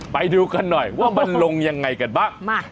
ไปดูกันหน่อยว่ามันลงยังไงกันบ้าง